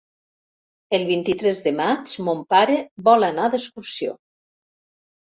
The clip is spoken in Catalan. El vint-i-tres de maig mon pare vol anar d'excursió.